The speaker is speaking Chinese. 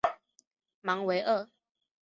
芒维厄。